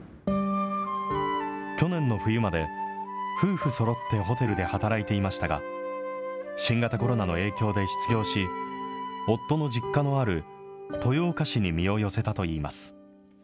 去年の冬まで、夫婦そろってホテルで働いていましたが、新型コロナの影響で失業し、夫の実家のある豊岡市に身を寄せたといいます。